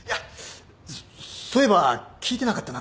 そそういえば聞いてなかったなって。